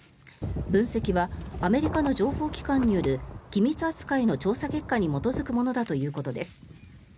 分析はアメリカの情報機関による機密扱いの調査結果に基づくものだということです。